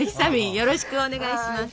よろしくお願いします。